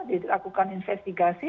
di lakukan investigasi